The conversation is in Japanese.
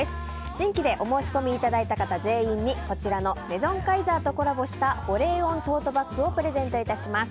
新規でお申し込みいただいた方全員にこちらのメゾンカイザーとコラボした保冷温トートバッグをプレゼントいたします。